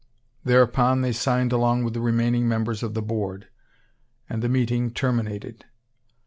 Thereupon, they signed along with the remaining members of the Board; and the meeting terminated.